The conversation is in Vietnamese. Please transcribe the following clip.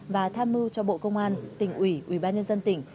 và tham mưu cho bộ công an tỉnh ủy ubnd tỉnh